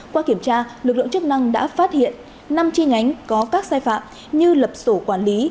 qua kiểm tra lực lượng chức năng đã phát hiện năm chi nhánh có các sai phạm như lập sổ quản lý